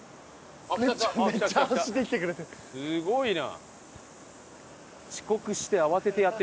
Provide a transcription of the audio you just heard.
すごいな！